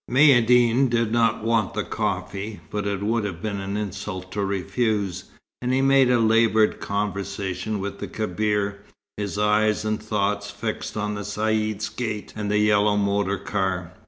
Maïeddine did not want the coffee, but it would have been an insult to refuse, and he made laboured conversation with the Kebir, his eyes and thoughts fixed on the Caïd's gate and the yellow motor car.